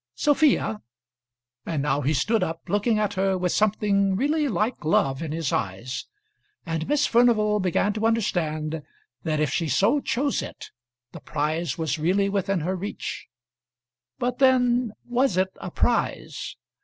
Sophia " And now he stood up, looking at her with something really like love in his eyes, and Miss Furnival began to understand that if she so chose it the prize was really within her reach. But then was it a prize?